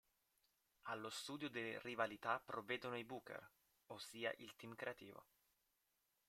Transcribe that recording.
Allo studio delle rivalità provvedono i "booker", ossia il team creativo.